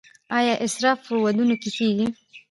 آیا اسراف په ودونو کې کیږي؟